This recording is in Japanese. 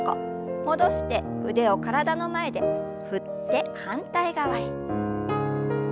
戻して腕を体の前で振って反対側へ。